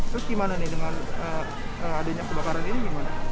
terus gimana nih dengan adanya kebakaran ini gimana